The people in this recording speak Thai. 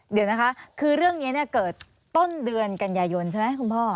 เดี๋ยวนะคะคือเรื่องนี้เกิดต้นเดือนกันยายนใช่ไหมคุณพ่อ